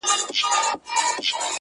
خو اوږده لکۍ يې غوڅه سوه لنډی سو!.